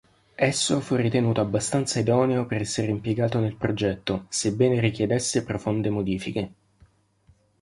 Esso fu ritenuto abbastanza idoneo per essere impiegato nel progetto, sebbene richiedesse profonde modifiche.